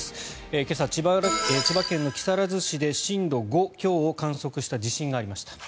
今朝、千葉県の木更津市で震度５強を観測した地震がありました。